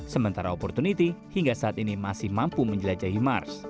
sementara opportunity hingga saat ini masih mampu menjelajahi mars